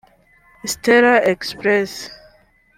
Stella Express